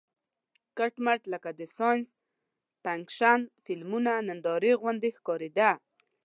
کټ مټ لکه د ساینس فېکشن فلمونو نندارې غوندې ښکارېده.